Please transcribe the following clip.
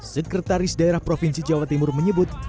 sekretaris daerah provinsi jawa timur menyebut